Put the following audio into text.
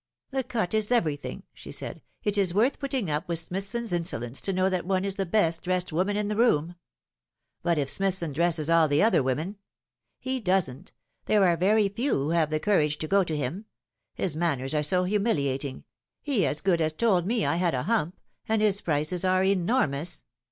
" The cut is everything," she said. " It is worth putting up with Smithson's insolence to know that one is the best dressed woman in the room." " But if Smithson dresses all the other women "" He doesn't. There are very few who have the courage to go to him. His manners are so humiliating he as good as told me I had a hump and his prices are enormous."